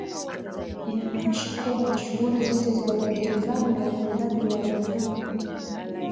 Inamaanisha kuwa ni shughuli zote za Uendelezaji na ukuzaji wa uchumi